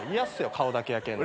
顔だけ焼けんの。